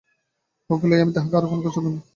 বউকে লইয়া আমি তাহাকে আর কোনো কষ্ট দিব না।